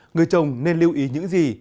người chồng nên lưu ý những gì